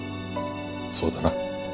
そうだな。